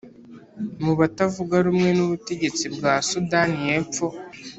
mu batavuga rumwe n’ ubutegetsi bwa Sudani yepfo